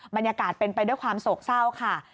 บรรยากาศเป็นไปด้วยความโศกเศร้าค่ะ